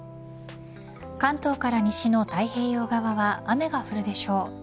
関東から西の太平洋側は雨が降るでしょう。